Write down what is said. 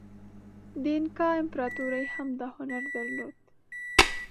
د اینکا امپراتورۍ هم دا هنر درلود.